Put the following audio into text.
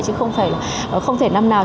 chứ không thể năm nào